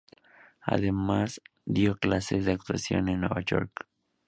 Además dio clases de actuación en Nueva York.